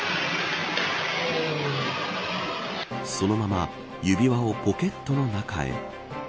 そのまま指輪をポケットの中へ。